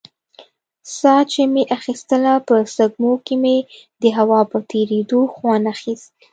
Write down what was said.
ساه چې مې اخيستله په سپږمو کښې مې د هوا په تېرېدو خوند اخيست.